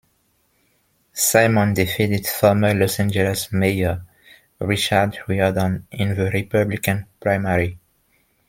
Simon defeated former Los Angeles Mayor Richard Riordan in the Republican primary.